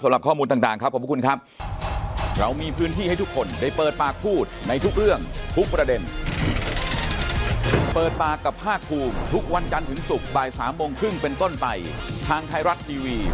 สวัสดีครับขอบคุณครับสำหรับข้อมูลต่างครับ